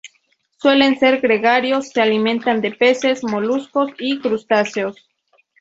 Suelen ser gregarios, se alimentan de peces, moluscos y crustáceos.